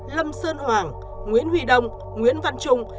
lâm sơn hoàng nguyễn huy đông nguyễn văn trung